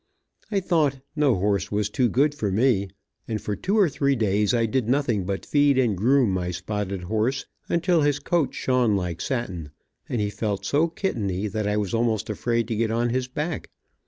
I thought no horse was too good for me, and for two or three days I did nothing but feed and groom my spotted horse, until his coat shone like satin, and he felt so kitteny that I was almost afraid to get on his back.